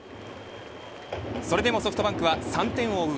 それでもソフトバンクは３点を追う